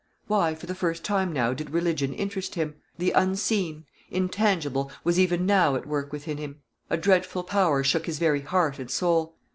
Why for the first time now did religion interest him? The unseen, intangible, was even now at work within him. A dreadful power shook his very heart and soul.